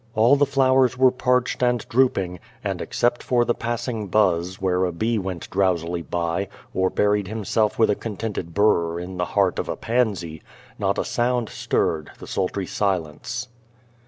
All thj flowers were parched and drooping, and except for the passing buzz where a bee 155 The Garden of God went drowsily by, or buried himself with a contented burr in the heart of a pansy, not a sound stirred the sultry silence.